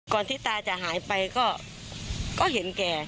ก่อนที่ตาจะหายไปก็ก็เห็นแก